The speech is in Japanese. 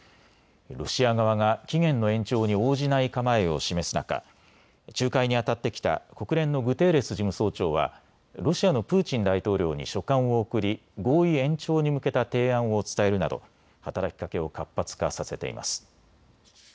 ロシア側が期限の延長に応じない構えを示す中、仲介にあたってきた国連のグテーレス事務総長はロシアのプーチン大統領に書簡を送り合意延長に向けた提案を伝えるなど働きかけを活発化させています。